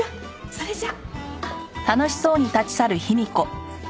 それじゃ。